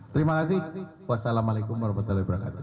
terima kasih wassalamualaikum warahmatullahi wabarakatuh